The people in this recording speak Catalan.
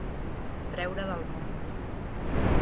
Treure del món.